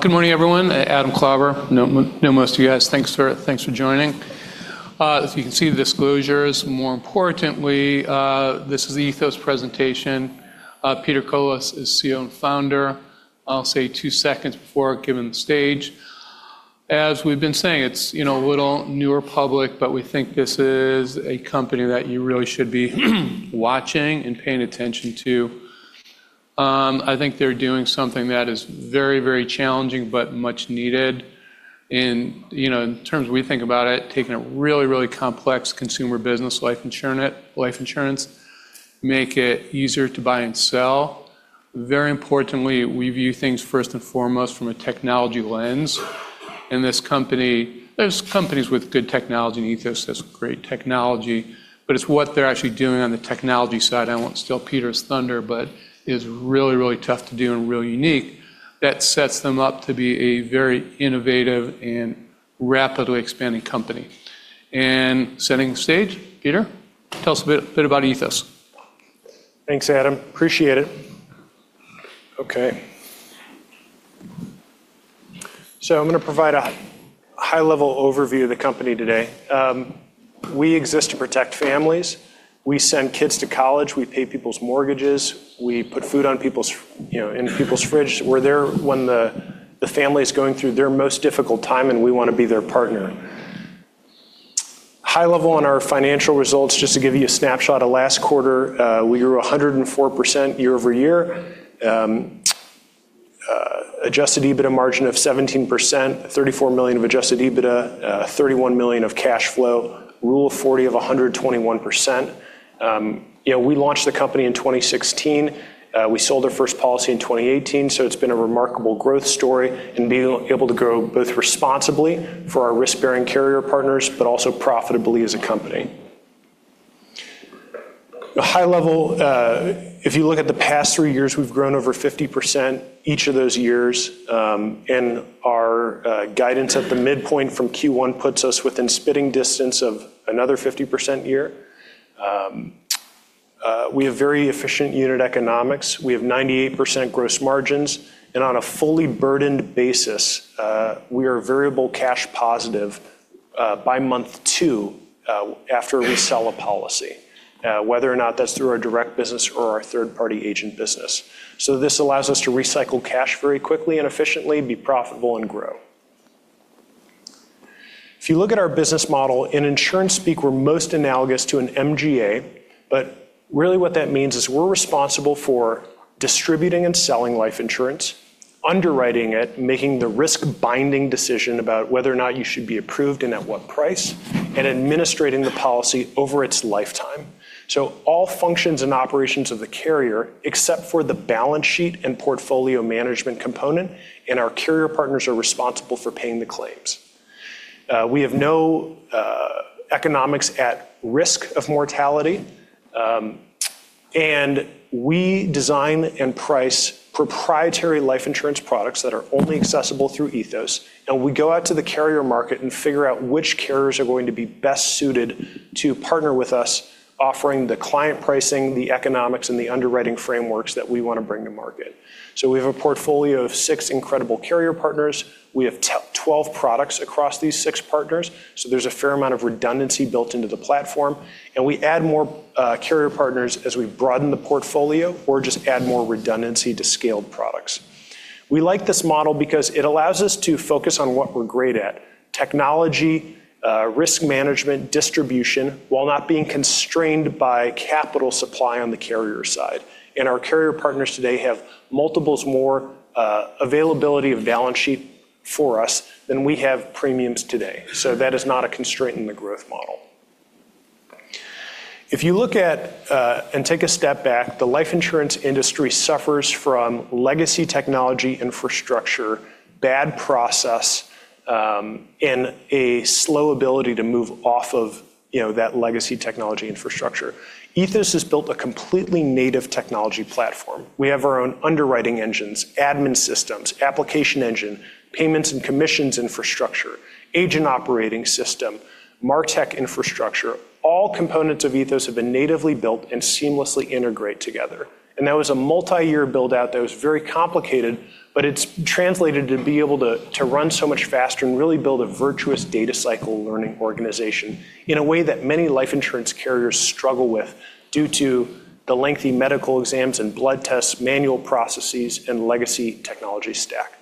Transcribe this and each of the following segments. Good morning, everyone. Adam Klauber. Know most of you guys. Thanks for joining. As you can see, disclosures. More importantly, this is the Ethos presentation. Peter Colis is CEO and Founder. I'll say two seconds before giving the stage. As we've been saying, it's a little newer public. We think this is a company that you really should be watching and paying attention to. I think they're doing something that is very challenging but much needed in terms we think about it, taking a really complex consumer business, life insurance, make it easier to buy and sell. Very importantly, we view things first and foremost from a technology lens. There's companies with good technology, and Ethos has great technology. It's what they're actually doing on the technology side, I won't steal Peter's thunder, but is really tough to do and real unique, that sets them up to be a very innovative and rapidly expanding company. Setting the stage, Peter, tell us a bit about Ethos. Thanks, Adam. Appreciate it. I'm going to provide a high-level overview of the company today. We exist to protect families. We send kids to college. We pay people's mortgages. We put food in people's fridge. We're there when the family's going through their most difficult time, and we want to be their partner. High level on our financial results, just to give you a snapshot of last quarter. We grew 104% year-over-year. Adjusted EBITDA margin of 17%, $34 million of adjusted EBITDA, $31 million of cash flow. Rule of 40 of 121%. We launched the company in 2016. We sold our first policy in 2018, it's been a remarkable growth story and being able to grow both responsibly for our risk-bearing carrier partners, but also profitably as a company. High level, if you look at the past three years, we've grown over 50% each of those years. Our guidance at the midpoint from Q1 puts us within spitting distance of another 50% year. We have very efficient unit economics. We have 98% gross margins, and on a fully burdened basis, we are variable cash positive by month two after we sell a policy whether or not that's through our direct business or our third-party agent business. This allows us to recycle cash very quickly and efficiently, be profitable and grow. If you look at our business model, in insurance speak, we're most analogous to an MGA, but really what that means is we're responsible for distributing and selling life insurance, underwriting it, making the risk-binding decision about whether or not you should be approved and at what price, and administrating the policy over its lifetime. All functions and operations of the carrier, except for the balance sheet and portfolio management component, and our carrier partners are responsible for paying the claims. We have no economics at risk of mortality. We design and price proprietary life insurance products that are only accessible through Ethos, and we go out to the carrier market and figure out which carriers are going to be best suited to partner with us, offering the client pricing, the economics, and the underwriting frameworks that we want to bring to market. We have a portfolio of six incredible carrier partners. We have 12 products across these six partners, so there's a fair amount of redundancy built into the platform. We add more carrier partners as we broaden the portfolio or just add more redundancy to scaled products. We like this model because it allows us to focus on what we're great at: technology, risk management, distribution, while not being constrained by capital supply on the carrier side. Our carrier partners today have multiples more availability of balance sheet for us than we have premiums today. That is not a constraint in the growth model. If you look at and take a step back, the life insurance industry suffers from legacy technology infrastructure, bad process, and a slow ability to move off of that legacy technology infrastructure. Ethos has built a completely native technology platform. We have our own underwriting engines, admin systems, application engine, payments and commissions infrastructure, agent operating system, MarTech infrastructure. All components of Ethos have been natively built and seamlessly integrate together. That was a multi-year build-out that was very complicated, but it's translated to be able to run so much faster and really build a virtuous data cycle learning organization in a way that many life insurance carriers struggle with due to the lengthy medical exams and blood tests, manual processes, and legacy technology stack.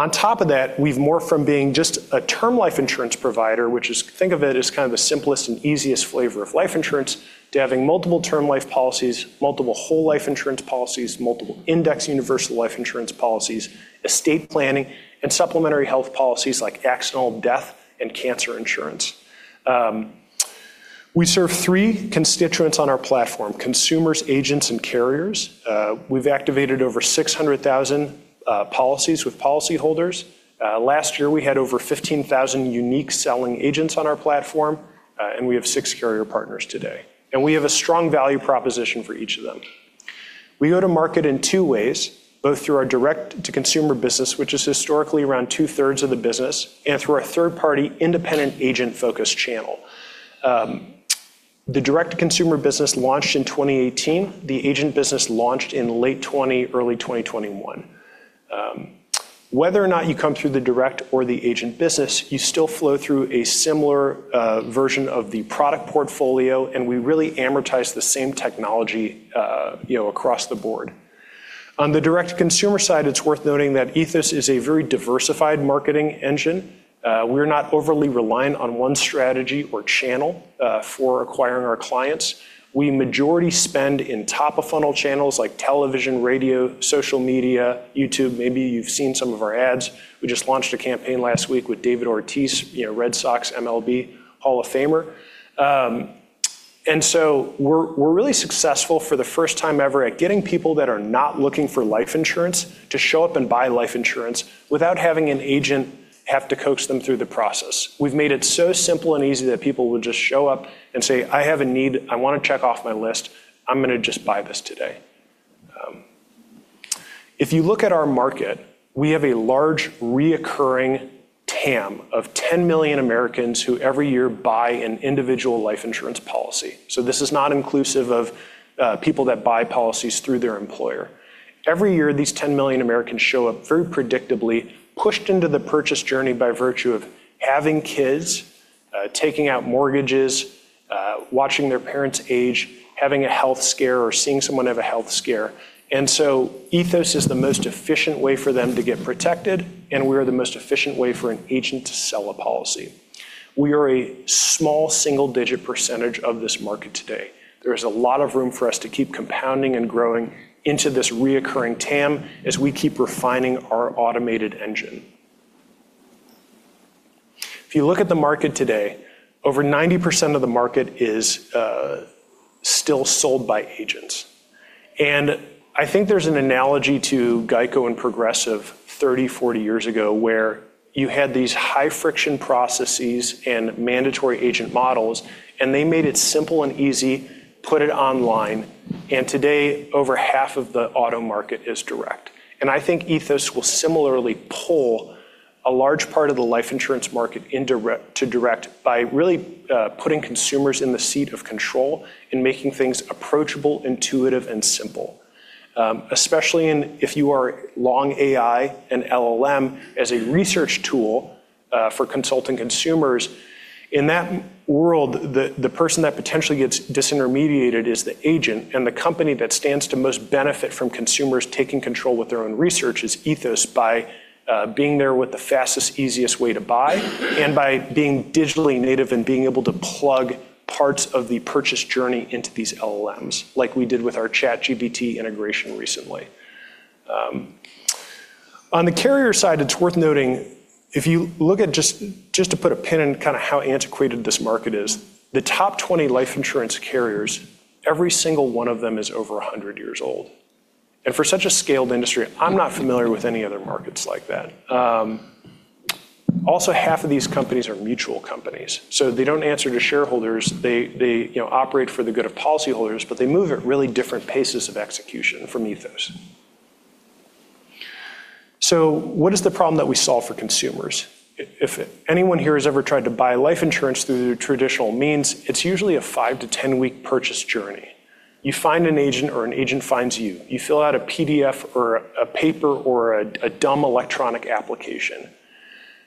On top of that, we've morphed from being just a term life insurance provider, which think of it as kind of the simplest and easiest flavor of life insurance, to having multiple term life policies, multiple whole life insurance policies, multiple indexed universal life insurance policies, estate planning, and supplementary health policies like accidental death and cancer insurance. We serve three constituents on our platform: consumers, agents, and carriers. We've activated over 600,000 policies with policyholders. Last year, we had over 15,000 unique selling agents on our platform, and we have six carrier partners today. We have a strong value proposition for each of them. We go to market in two ways, both through our direct-to-consumer business, which is historically around two-thirds of the business, and through our third-party independent agent-focused channel. The direct-to-consumer business launched in 2018. The agent business launched in late 2020, early 2021. Whether or not you come through the direct or the agent business, you still flow through a similar version of the product portfolio, and we really amortize the same technology across the board. On the direct-to-consumer side, it's worth noting that Ethos is a very diversified marketing engine. We're not overly reliant on one strategy or channel for acquiring our clients. We majority spend in top-of-funnel channels like television, radio, social media, YouTube. Maybe you've seen some of our ads. We just launched a campaign last week with David Ortiz, Red Sox MLB Hall of Famer. We're really successful for the first time ever at getting people that are not looking for life insurance to show up and buy life insurance without having an agent have to coach them through the process. We've made it so simple and easy that people will just show up and say, "I have a need I want to check off my list. I'm going to just buy this today." If you look at our market, we have a large recurring TAM of 10 million Americans who every year buy an individual life insurance policy. This is not inclusive of people that buy policies through their employer. Every year, these 10 million Americans show up very predictably, pushed into the purchase journey by virtue of having kids, taking out mortgages, watching their parents age, having a health scare, or seeing someone have a health scare. Ethos is the most efficient way for them to get protected, and we are the most efficient way for an agent to sell a policy. We are a small single-digit percentage of this market today. There is a lot of room for us to keep compounding and growing into this reoccurring TAM as we keep refining our automated engine. If you look at the market today, over 90% of the market is still sold by agents. I think there's an analogy to GEICO and Progressive 30, 40 years ago, where you had these high-friction processes and mandatory agent models, and they made it simple and easy, put it online, and today, over half of the auto market is direct. I think Ethos will similarly pull a large part of the life insurance market to direct by really putting consumers in the seat of control and making things approachable, intuitive, and simple. Especially if you are long AI and LLM as a research tool for consulting consumers. In that world, the person that potentially gets disintermediated is the agent, and the company that stands to most benefit from consumers taking control with their own research is Ethos, by being there with the fastest, easiest way to buy, and by being digitally native and being able to plug parts of the purchase journey into these LLMs, like we did with our ChatGPT integration recently. On the carrier side, it's worth noting, if you look at just to put a pin in kind of how antiquated this market is, the top 20 life insurance carriers, every single one of them is over 100 years old. For such a scaled industry, I'm not familiar with any other markets like that. Half of these companies are mutual companies. They don't answer to shareholders. They operate for the good of policyholders, but they move at really different paces of execution from Ethos. What is the problem that we solve for consumers? If anyone here has ever tried to buy life insurance through the traditional means, it's usually a 5-to-10-week purchase journey. You find an agent or an agent finds you. You fill out a PDF or a paper or a dumb electronic application.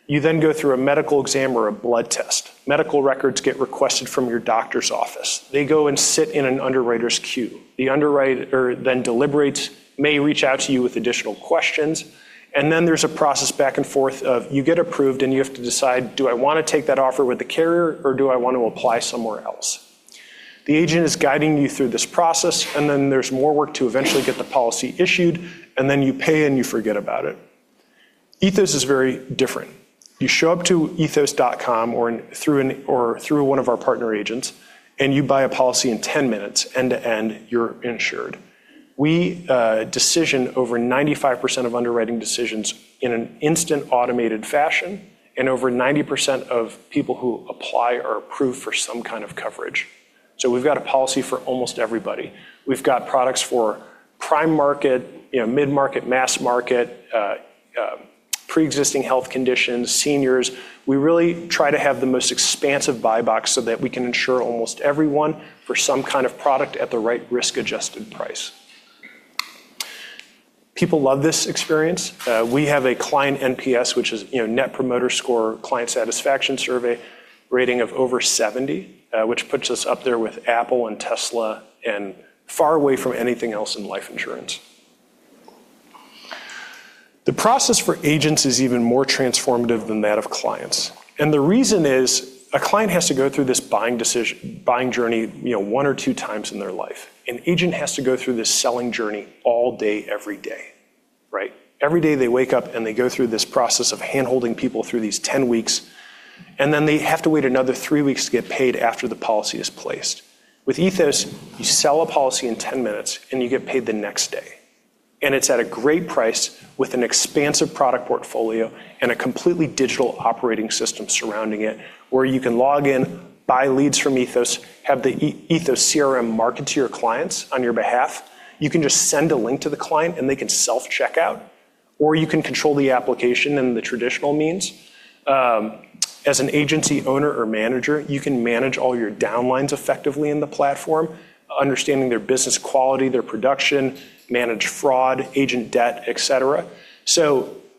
You go through a medical exam or a blood test. Medical records get requested from your doctor's office. They go and sit in an underwriter's queue. The underwriter then deliberates, may reach out to you with additional questions, and then there's a process back and forth of you get approved, and you have to decide, do I want to take that offer with the carrier or do I want to apply somewhere else? The agent is guiding you through this process, and then there's more work to eventually get the policy issued, and then you pay, and you forget about it. Ethos is very different. You show up to ethos.com or through one of our partner agents, and you buy a policy in 10 minutes, end-to-end, you're insured. We decision over 95% of underwriting decisions in an instant automated fashion, and over 90% of people who apply are approved for some kind of coverage. We've got a policy for almost everybody. We've got products for prime market, mid-market, mass market, pre-existing health conditions, seniors. We really try to have the most expansive buy box so that we can insure almost everyone for some kind of product at the right risk-adjusted price. People love this experience. We have a client NPS, which is net promoter score, client satisfaction survey, rating of over 70, which puts us up there with Apple and Tesla, and far away from anything else in life insurance. The process for agents is even more transformative than that of clients. The reason is, a client has to go through this buying journey one or two times in their life. An agent has to go through this selling journey all day, every day. Right? Every day they wake up and they go through this process of handholding people through these 10 weeks, and then they have to wait another three weeks to get paid after the policy is placed. With Ethos, you sell a policy in 10 minutes, and you get paid the next day. It's at a great price with an expansive product portfolio and a completely digital operating system surrounding it, where you can log in, buy leads from Ethos, have the Ethos CRM market to your clients on your behalf. You can just send a link to the client, and they can self-check out. You can control the application in the traditional means. As an agency owner or manager, you can manage all your downlines effectively in the platform, understanding their business quality, their production, manage fraud, agent debt, et cetera.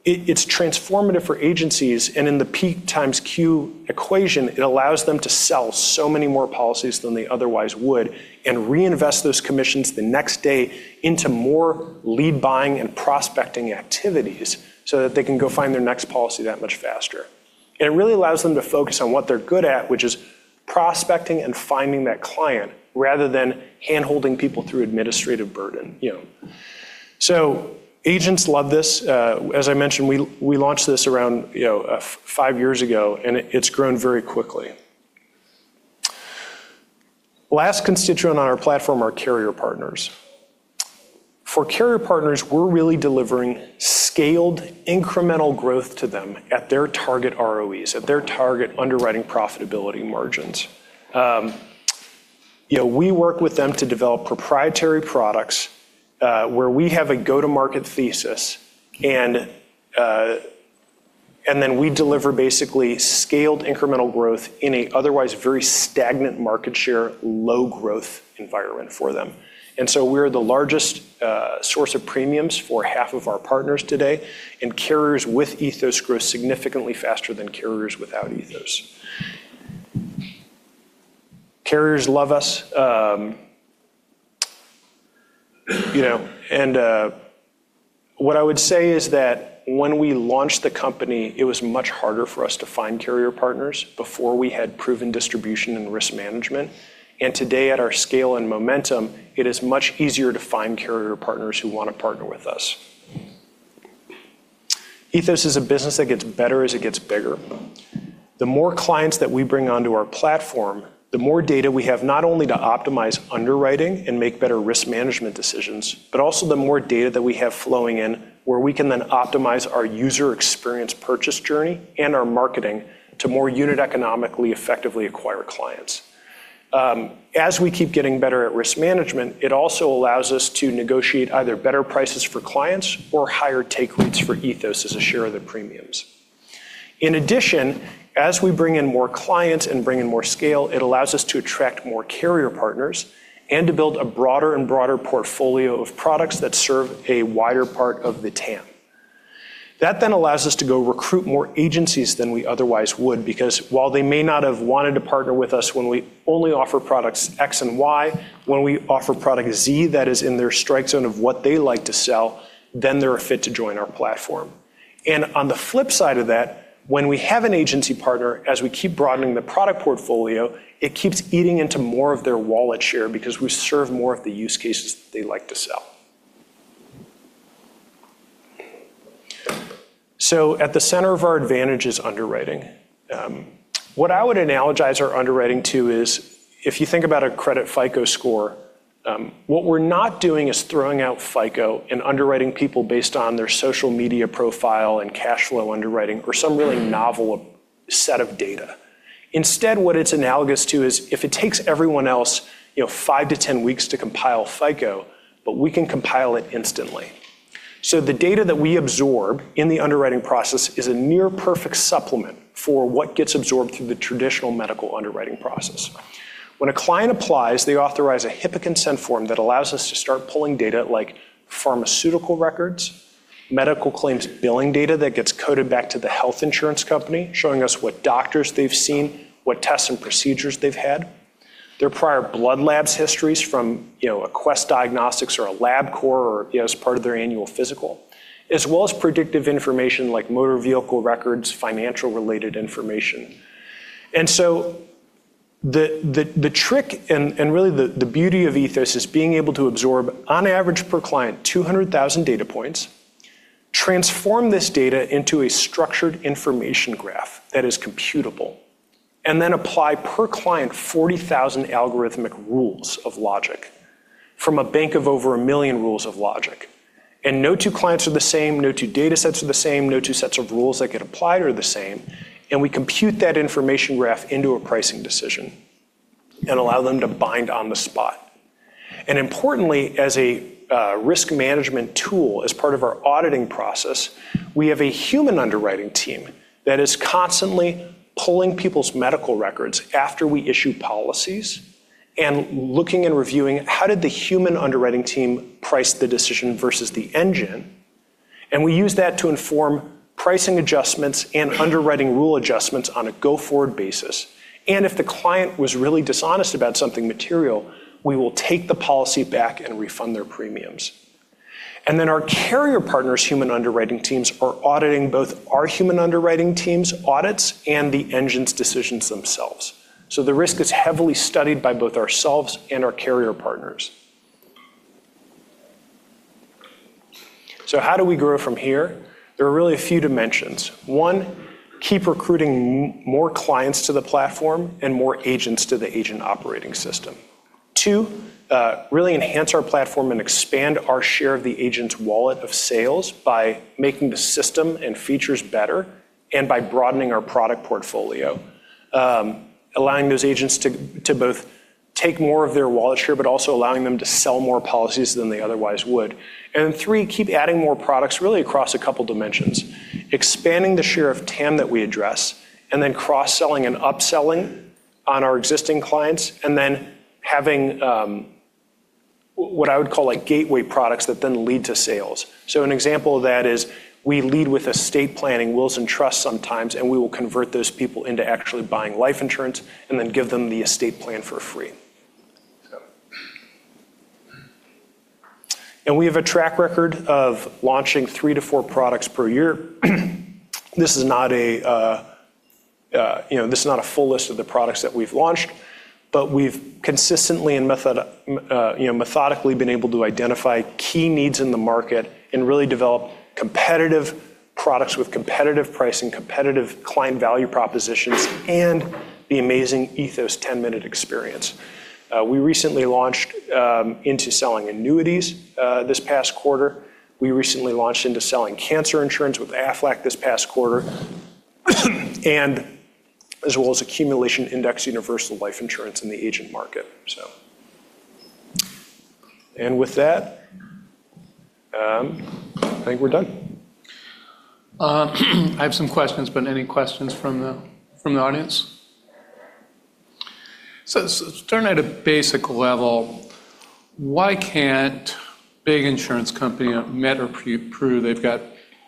It's transformative for agencies, and in the P x Q equation, it allows them to sell so many more policies than they otherwise would, and reinvest those commissions the next day into more lead buying and prospecting activities so that they can go find their next policy that much faster. It really allows them to focus on what they're good at, which is prospecting and finding that client rather than handholding people through administrative burden. Agents love this. As I mentioned, we launched this around five years ago, it's grown very quickly. Last constituent on our platform are carrier partners. For carrier partners, we're really delivering scaled incremental growth to them at their target ROEs, at their target underwriting profitability margins. We work with them to develop proprietary products, where we have a go-to-market thesis, then we deliver basically scaled incremental growth in a otherwise very stagnant market share, low growth environment for them. We're the largest source of premiums for half of our partners today, and carriers with Ethos grow significantly faster than carriers without Ethos. Carriers love us. What I would say is that when we launched the company, it was much harder for us to find carrier partners before we had proven distribution and risk management. Today, at our scale and momentum, it is much easier to find carrier partners who want to partner with us. Ethos is a business that gets better as it gets bigger. The more clients that we bring onto our platform, the more data we have not only to optimize underwriting and make better risk management decisions, but also the more data that we have flowing in, where we can then optimize our user experience purchase journey and our marketing to more unit economically, effectively acquire clients. As we keep getting better at risk management, it also allows us to negotiate either better prices for clients or higher take rates for Ethos as a share of the premiums. In addition, as we bring in more clients and bring in more scale, it allows us to attract more carrier partners and to build a broader and broader portfolio of products that serve a wider part of the TAM. That allows us to go recruit more agencies than we otherwise would, because while they may not have wanted to partner with us when we only offer products X and Y, when we offer product Z that is in their strike zone of what they like to sell, then they're a fit to join our platform. On the flip side of that, when we have an agency partner, as we keep broadening the product portfolio, it keeps eating into more of their wallet share because we serve more of the use cases that they like to sell. At the center of our advantage is underwriting. What I would analogize our underwriting to is if you think about a credit FICO score, what we're not doing is throwing out FICO and underwriting people based on their social media profile and cash flow underwriting or some really novel set of data. Instead, what it's analogous to is if it takes everyone else five to 10 weeks to compile FICO, but we can compile it instantly. The data that we absorb in the underwriting process is a near perfect supplement for what gets absorbed through the traditional medical underwriting process. When a client applies, they authorize a HIPAA consent form that allows us to start pulling data like pharmaceutical records, medical claims, billing data that gets coded back to the health insurance company, showing us what doctors they've seen, what tests and procedures they've had. Their prior blood labs histories from a Quest Diagnostics or a Labcorp or as part of their annual physical. Predictive information like motor vehicle records, financial related information. The trick and really the beauty of Ethos is being able to absorb, on average per client, 200,000 data points, transform this data into a structured information graph that is computable, then apply per client 40,000 algorithmic rules of logic from a bank of over a million rules of logic. No two clients are the same, no two data sets are the same, no two sets of rules that get applied are the same. We compute that information graph into a pricing decision and allow them to bind on the spot. Importantly, as a risk management tool, as part of our auditing process, we have a human underwriting team that is constantly pulling people's medical records after we issue policies and looking and reviewing how did the human underwriting team price the decision versus the engine. We use that to inform pricing adjustments and underwriting rule adjustments on a go-forward basis. If the client was really dishonest about something material, we will take the policy back and refund their premiums. Our carrier partners' human underwriting teams are auditing both our human underwriting team's audits and the engine's decisions themselves. The risk is heavily studied by both ourselves and our carrier partners. How do we grow from here? There are really a few dimensions. One, keep recruiting more clients to the platform and more agents to the agent operating system. Two, really enhance our platform and expand our share of the agent's wallet of sales by making the system and features better and by broadening our product portfolio. Allowing those agents to both take more of their wallet share, but also allowing them to sell more policies than they otherwise would. Three, keep adding more products really across a couple dimensions. Expanding the share of TAM that we address, and then cross-selling and upselling on our existing clients, and then having what I would call gateway products that then lead to sales. An example of that is we lead with estate planning, wills and trusts sometimes, and we will convert those people into actually buying life insurance and then give them the estate plan for free. We have a track record of launching three to four products per year. This is not a full list of the products that we've launched, but we've consistently and methodically been able to identify key needs in the market and really develop competitive products with competitive pricing, competitive client value propositions, and the amazing Ethos 10-minute experience. We recently launched into selling annuities this past quarter. We recently launched into selling cancer insurance with Aflac this past quarter, as well as accumulation indexed universal life insurance in the agent market. With that, I think we're done. I have some questions, but any questions from the audience? Starting at a basic level, why can't big insurance company, Met or Pru, they've got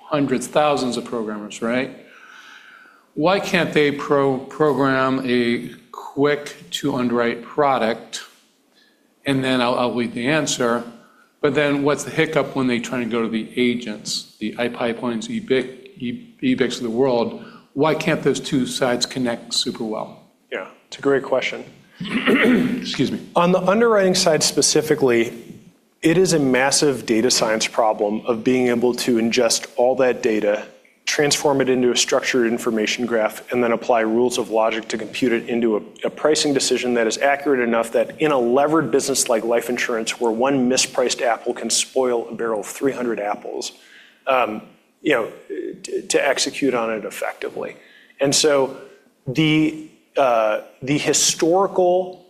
hundreds, thousands of programmers, right? Why can't they program a quick to underwrite product? I'll lead the answer, but then what's the hiccup when they try and go to the agents, the iPipeline, Ebix of the world. Why can't those two sides connect super well? Yeah. It's a great question. Excuse me. On the underwriting side specifically, it is a massive data science problem of being able to ingest all that data, transform it into a structured information graph, and then apply rules of logic to compute it into a pricing decision that is accurate enough that in a levered business like life insurance, where one mispriced apple can spoil a barrel of 300 apples, to execute on it effectively. The historical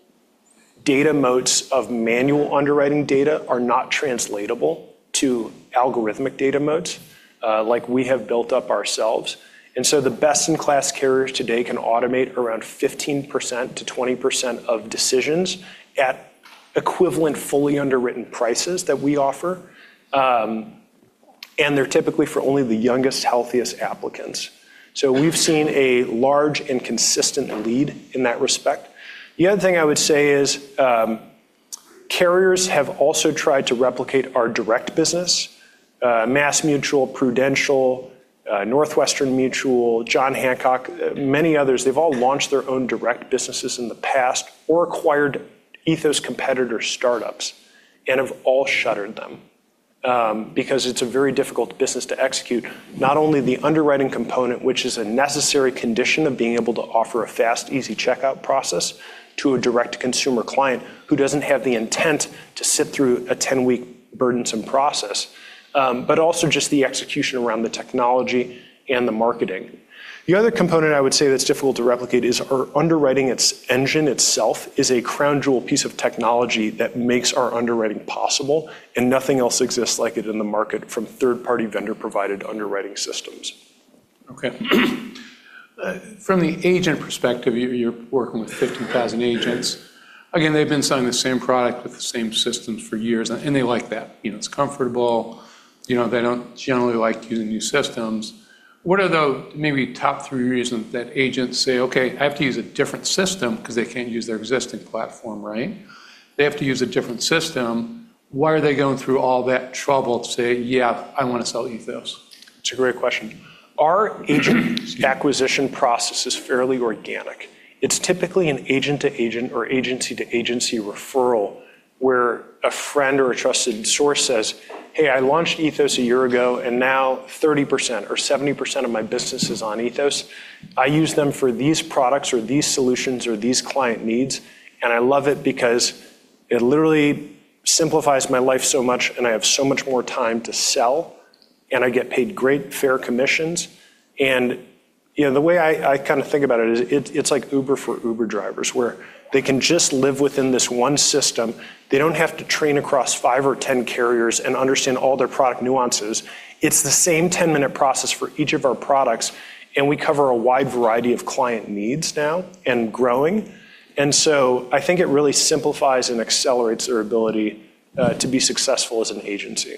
data moats of manual underwriting data are not translatable to algorithmic data moats like we have built up ourselves. The best-in-class carriers today can automate around 15%-20% of decisions at equivalent fully underwritten prices that we offer. They're typically for only the youngest, healthiest applicants. We've seen a large and consistent lead in that respect. The other thing I would say is carriers have also tried to replicate our direct business. MassMutual, Prudential, Northwestern Mutual, John Hancock, many others. They've all launched their own direct businesses in the past or acquired Ethos competitor startups and have all shuttered them, because it's a very difficult business to execute. Not only the underwriting component, which is a necessary condition of being able to offer a fast, easy checkout process to a direct consumer client who doesn't have the intent to sit through a 10-week burdensome process. Also just the execution around the technology and the marketing. The other component I would say that's difficult to replicate is our underwriting engine itself is a crown jewel piece of technology that makes our underwriting possible, and nothing else exists like it in the market from third-party vendor-provided underwriting systems. From the agent perspective, you're working with 15,000 agents. They've been selling the same product with the same systems for years, they like that. It's comfortable. They don't generally like using new systems. What are the maybe top three reasons that agents say, "Okay, I have to use a different system," because they can't use their existing platform, right? They have to use a different system. Why are they going through all that trouble to say, "Yeah, I want to sell Ethos"? It's a great question. Our agent- Excuse me. -acquisition process is fairly organic. It's typically an agent-to-agent or agency-to-agency referral where a friend or a trusted source says, "Hey, I launched Ethos a year ago, and now 30% or 70% of my business is on Ethos. I use them for these products or these solutions or these client needs, and I love it because it literally simplifies my life so much, and I have so much more time to sell, and I get paid great, fair commissions." The way I think about it is it's like Uber for Uber drivers where they can just live within this one system. They don't have to train across five or 10 carriers and understand all their product nuances. It's the same 10-minute process for each of our products, and we cover a wide variety of client needs now and growing. I think it really simplifies and accelerates their ability to be successful as an agency.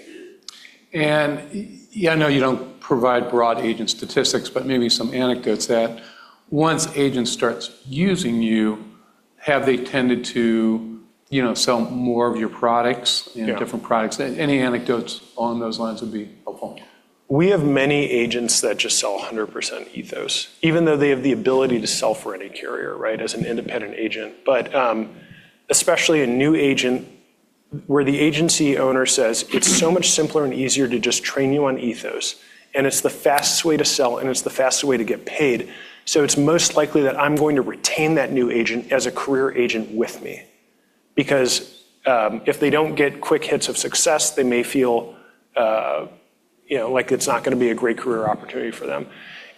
I know you don't provide broad agent statistics, but maybe some anecdotes that once agents start using you, have they tended to sell more of your products? Yeah Different products? Any anecdotes along those lines would be helpful. We have many agents that just sell 100% Ethos, even though they have the ability to sell for any carrier, right? As an independent agent. Especially a new agent where the agency owner says, "It's so much simpler and easier to just train you on Ethos, and it's the fastest way to sell, and it's the fastest way to get paid." It's most likely that I'm going to retain that new agent as a career agent with me. If they don't get quick hits of success, they may feel like it's not going to be a great career opportunity for them.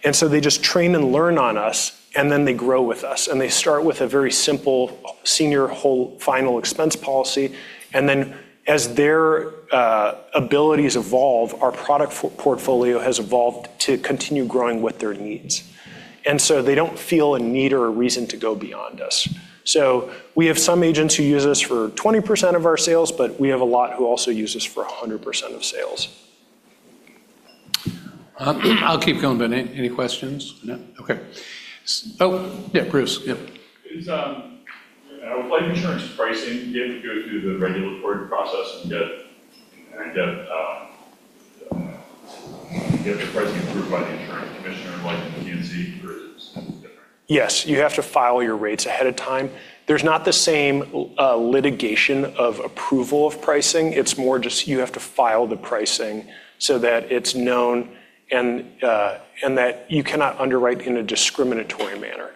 They just train and learn on us, and then they grow with us. They start with a very simple senior whole final expense policy. As their abilities evolve, our product portfolio has evolved to continue growing with their needs. They don't feel a need or a reason to go beyond us. We have some agents who use us for 20% of our sales, but we have a lot who also use us for 100% of sales. I'll keep going, but any questions? No. Okay. Oh, yeah, Bruce. Yep. Is life insurance pricing, do you have to go through the regulatory process and get the pricing approved by the insurance commissioner, like in P&C, or is this different? Yes, you have to file your rates ahead of time. There's not the same litigation of approval of pricing. It's more just you have to file the pricing so that it's known and that you cannot underwrite in a discriminatory manner.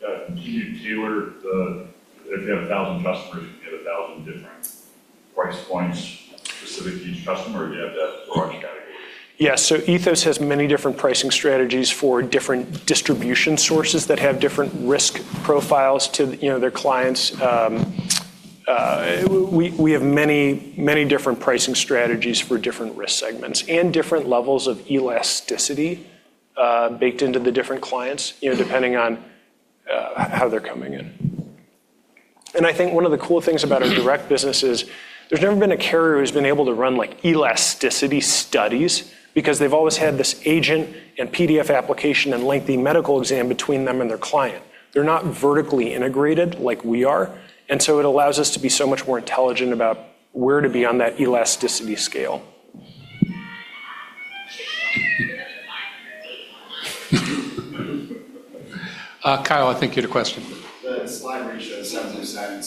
Can you tailor If you have 1,000 customers, you can get 1,000 different price points specific to each customer, or do you have that large category? Yeah. Ethos has many different pricing strategies for different distribution sources that have different risk profiles to their clients. We have many different pricing strategies for different risk segments and different levels of elasticity baked into the different clients, depending on how they're coming in. I think one of the cool things about our direct business is, there's never been a carrier who's been able to run elasticity studies because they've always had this agent and PDF application and lengthy medical exam between them and their client. They're not vertically integrated like we are, it allows us to be so much more intelligent about where to be on that elasticity scale. Kyle, I think you had a question. The slide where you show 7% DTC share,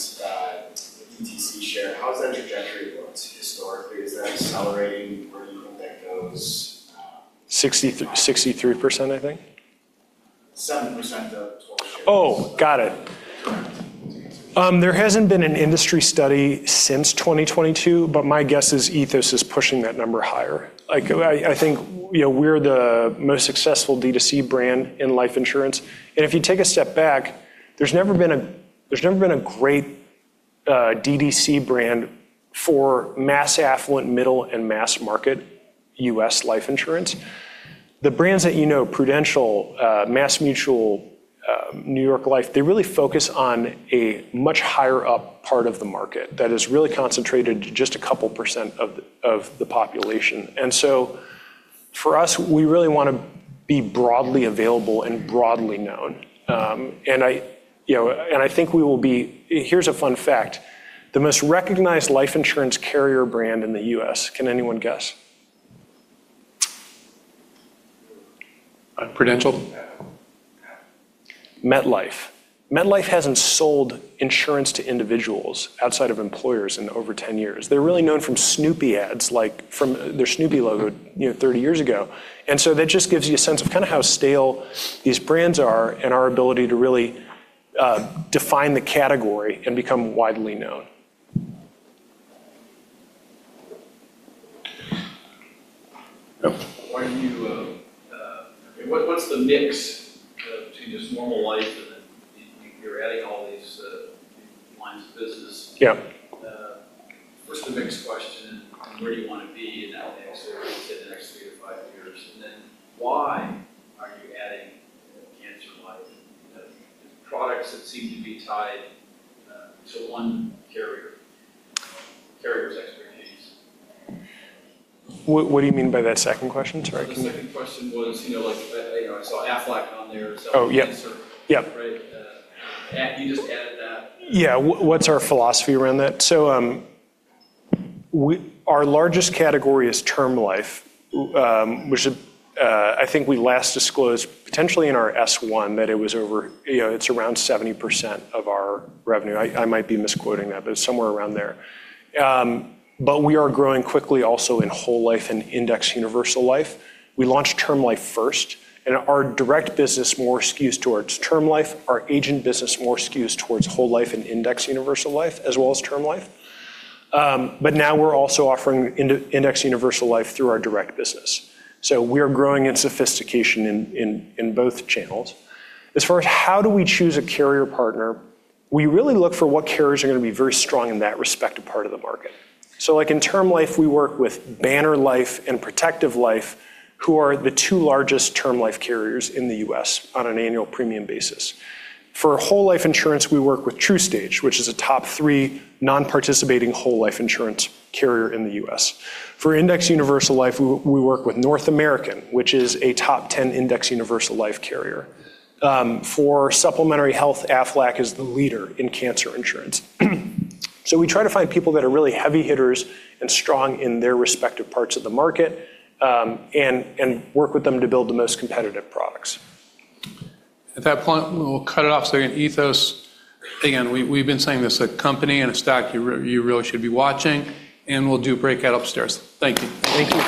how has that trajectory looked historically? Is that accelerating, or do you think that goes? 63%, I think. 7% of total shares. Oh, got it. There hasn't been an industry study since 2022, but my guess is Ethos is pushing that number higher. I think we're the most successful D2C brand in life insurance. If you take a step back, there's never been a great D2C brand for mass affluent, middle, and mass market U.S. life insurance. The brands that you know, Prudential, MassMutual, New York Life, they really focus on a much higher up part of the market that is really concentrated to just a couple percent of the population. For us, we really want to be broadly available and broadly known. Here's a fun fact. The most recognized life insurance carrier brand in the U.S., can anyone guess? Prudential. MetLife. MetLife hasn't sold insurance to individuals outside of employers in over 10 years. They're really known from their Snoopy logo 30 years ago. That just gives you a sense of kind of how stale these brands are and our ability to really define the category and become widely known. Yep. What's the mix between just normal life and then you're adding all these lines of business? Yeah What's the mix question and where do you want to be in that mix in the next three to five years? Why are you adding cancer insurance and products that seem to be tied to one carrier's expertise? What do you mean by that second question? Sorry, can you. The second question was, I saw Aflac on there. Oh, yeah. Cancer. Yeah. Right. You just added that. Yeah. What's our philosophy around that? Our largest category is term life, which I think we last disclosed potentially in our S1 that it's around 70% of our revenue. I might be misquoting that, it's somewhere around there. We are growing quickly also in whole life and indexed universal life. We launched term life first and our direct business more skews towards term life, our agent business more skews towards whole life and indexed universal life as well as term life. Now we're also offering indexed universal life through our direct business. We're growing in sophistication in both channels. As far as how do we choose a carrier partner, we really look for what carriers are going to be very strong in that respective part of the market. Like in term life, we work with Banner Life and Protective Life, who are the two largest term life carriers in the U.S. on an annual premium basis. For whole life insurance, we work with TruStage, which is a top three non-participating whole life insurance carrier in the U.S. For indexed universal life, we work with North American, which is a top 10 indexed universal life carrier. For supplementary health, Aflac is the leader in cancer insurance. We try to find people that are really heavy hitters and strong in their respective parts of the market, and work with them to build the most competitive products. At that point, we'll cut it off. Again, Ethos, again, we've been saying this, a company and a stock you really should be watching, and we'll do breakout upstairs. Thank you. Thank you.